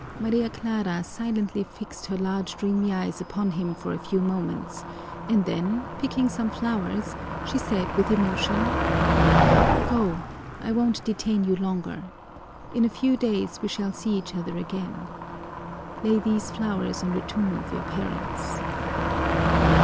Maria Clara silently fixed her large dreamy eyes upon him for a few moments and then, picking some flowers, she said with emotion, "Go, I won't detain you longer! In a few days we shall see each other again. Lay these flowers on the tomb of your parents."